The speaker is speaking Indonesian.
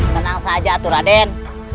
tenang saja atu raden